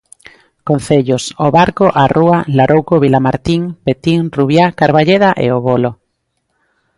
Concellos: O Barco, A Rúa, Larouco, Vilamartín, Petín, Rubiá, Carballeda e O Bolo.